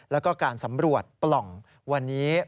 แล้วก็การสำรวจปล่องวันนี้